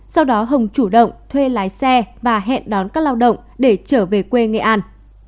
sau đó hồng chủ động thuê lái xe và hẹn đón các lao động để trở về quê nghệ an